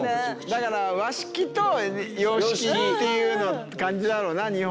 だから和式と洋式っていうのの感じだろうな日本で言う。